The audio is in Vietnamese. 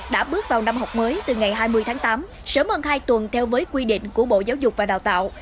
đã bước vào năm học mới từ ngày hai mươi tháng tám sớm hơn hai tuần theo với quy định của bộ giáo dục và đào tạo